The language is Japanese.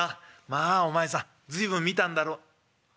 まあお前さん随分見たんだろ。